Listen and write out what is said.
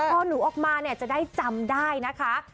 พ่อหนูออกมาจะได้จำได้นะคะ